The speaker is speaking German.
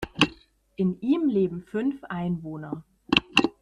In ihm leben fünf Einwohner.